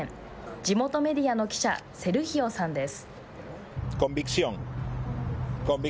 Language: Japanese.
地元メディアの記者セルヒオさんです。